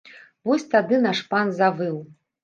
Вось тады наш пан завыў!